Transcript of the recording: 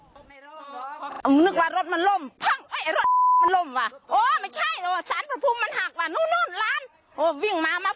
จนคนอุ้มเขาสลัดเรียกมันก็เลยออกมาคืน